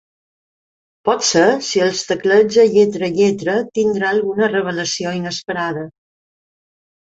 Potser si els tecleja lletra a lletra tindrà alguna revelació inesperada.